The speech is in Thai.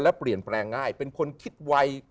และเปลี่ยนแปลงง่ายเป็นคนคิดไว